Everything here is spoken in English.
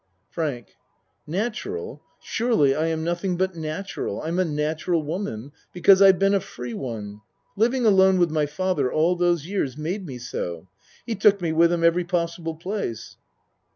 FRANK Natural? Surely, I am nothing but natural. I'm a natural woman because I've been a free one. Living alone with my father all those years made me so. He took me with him every pos sible place.